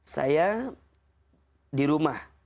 saya di rumah